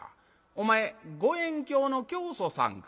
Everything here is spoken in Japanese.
お前五円教の教祖さんか。